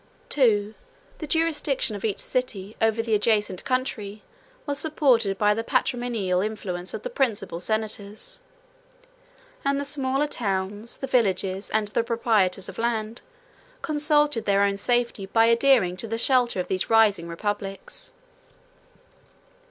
II. The jurisdiction of each city over the adjacent country, was supported by the patrimonial influence of the principal senators; and the smaller towns, the villages, and the proprietors of land, consulted their own safety by adhering to the shelter of these rising republics.